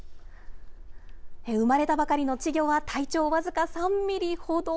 産まれたばかりの稚魚は体長僅か３ミリほど。